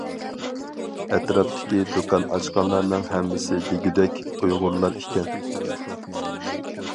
ئەتراپتىكى دۇكان ئاچقانلارنىڭ ھەممىسى دېگۈدەك ئۇيغۇرلار ئىكەن.